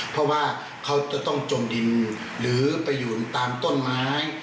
เพราะว่าเขาจะต้องจมดินหรือไปอยู่ตามต้นไม้